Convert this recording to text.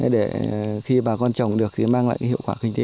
để khi bà con trồng được thì mang lại hiệu quả kinh tế